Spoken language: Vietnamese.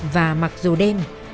và mặc dù đêm